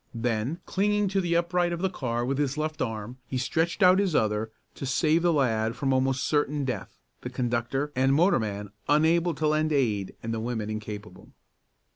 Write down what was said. Then, clinging to the upright of the car with his left arm, he stretched out his other to save the lad from almost certain death, the conductor and motorman unable to lend aid and the women incapable.